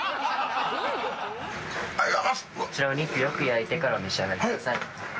・こちらお肉よく焼いてからお召し上がり下さい・はい！